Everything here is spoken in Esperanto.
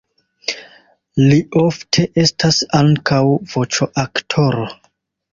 Li ofte estas ankaŭ voĉoaktoro.